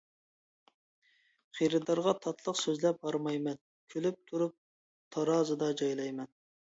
خېرىدارغا تاتلىق سۆزلەپ ھارمايمەن، كۈلۈپ تۇرۇپ تارازىدا جايلايمەن.